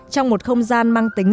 trong một không gian mang tình yêu